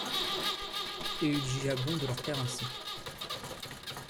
Et il jugea bon de leur plaire ainsi.